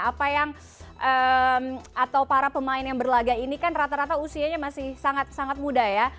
apa yang atau para pemain yang berlaga ini kan rata rata usianya masih sangat sangat muda ya